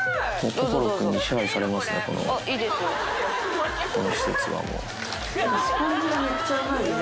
心君に支配されますね、スポンジがめっちゃうまいよね。